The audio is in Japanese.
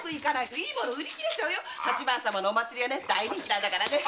八幡さまのお祭りは大人気なんだからね！